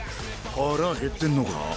腹減ってんのか？